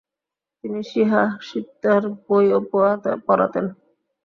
তিনি সিহাহ সিত্তার বইও পড়াতেন।